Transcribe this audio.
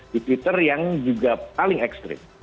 di twitter yang juga paling ekstrim